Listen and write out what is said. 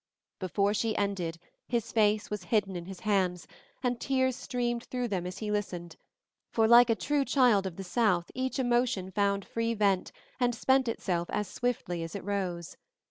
Before she ended his face was hidden in his hands, and tears streamed through them as he listened, for like a true child of the south each emotion found free vent and spent itself as swiftly as it rose.